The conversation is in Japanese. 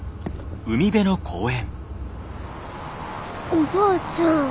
おばあちゃん。